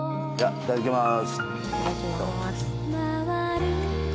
いただきます。